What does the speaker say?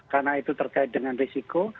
karena itu terkait dengan risiko